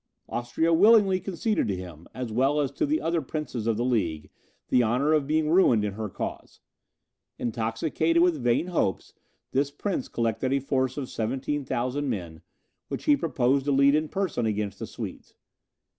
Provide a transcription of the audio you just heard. Austria willingly conceded to him, as well as to the other princes of the League, the honour of being ruined in her cause. Intoxicated with vain hopes, this prince collected a force of 17,000 men, which he proposed to lead in person against the Swedes.